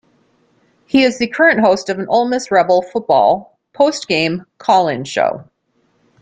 He is the current host of an Ole Miss Rebel football post-game call-in show.